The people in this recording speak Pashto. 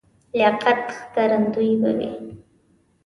لیاقت ښکارندوی به وي.